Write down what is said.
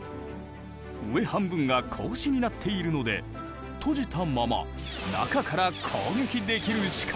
上半分が格子になっているので閉じたまま中から攻撃できる仕掛けだ。